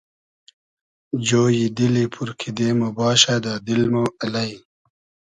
جۉیی دیلی پور کیدې مۉ باشۂ دۂ دیل مۉ الݷ